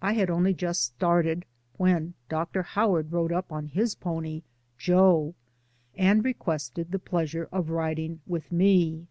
I had only just started when Dr. Howard rode up on his pony Joe and requested the pleasure of riding with me.